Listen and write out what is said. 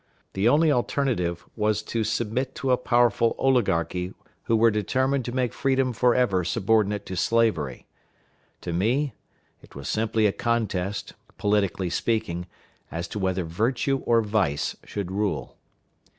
The only alternative was to submit to a powerful oligarchy who were determined to make freedom forever subordinate to slavery. To me it was simply a contest, politically speaking, as to whether virtue or vice should rule.